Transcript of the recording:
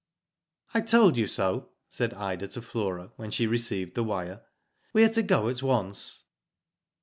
I told you so," said Ida to Flora, when she received the wire. • *^We are to go at once.'